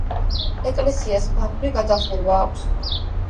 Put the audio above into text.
ეკლესიას ბანური გადახურვა აქვს.